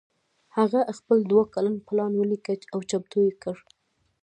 هغه خپل دوه کلن پلان وليکه او چمتو يې کړ.